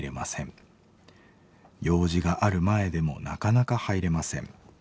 用事がある前でもなかなか入れません。